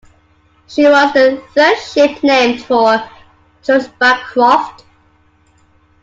She was the third ship named for George Bancroft.